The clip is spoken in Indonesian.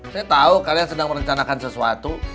saya tahu kalian sedang merencanakan sesuatu